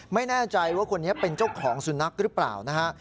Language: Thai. ไม่แน่ใจว่าคนนี้เป็นเจ้าของสุนัขหรือเปล่านะฮะ